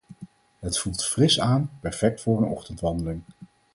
Het voelt fris aan, perfect voor een ochtendwandeling.